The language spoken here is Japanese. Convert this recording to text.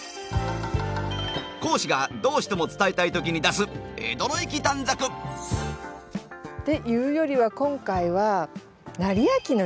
講師がどうしても伝えたい時に出す江戸の粋短冊。っていうよりは今回は「斉昭の粋」かな？